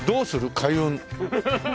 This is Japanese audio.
開運！」